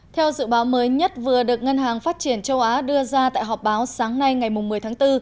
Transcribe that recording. theo dự báo mới nhất vừa được ngân hàng phát triển châu á đưa ra tại họp báo sáng nay ngày một mươi tháng bốn